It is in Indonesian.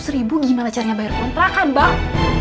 dua ratus ribu gimana carinya bayar kontrakan bang